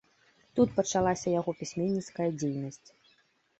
Тут пачалася яго пісьменніцкая дзейнасць.